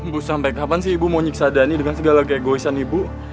bu sampai kapan sih ibu mau nyiksa dhani dengan segala kegoisan ibu